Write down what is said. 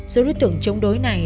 số đối tượng chống đối này